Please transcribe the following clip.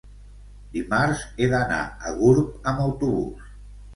dimarts he d'anar a Gurb amb autobús.